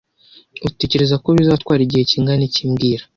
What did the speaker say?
Utekereza ko bizatwara igihe kingana iki mbwira